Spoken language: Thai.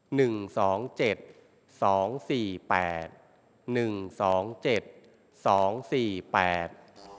หนึ่งสองเจ็ดสองสี่แปดหนึ่งสองเจ็ดสองสี่แปด